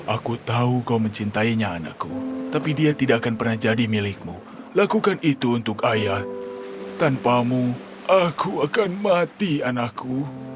aku tahu kau mencintainya anakku tapi dia tidak akan pernah jadi milikmu lakukan itu untuk ayah tanpamu aku akan mati anakku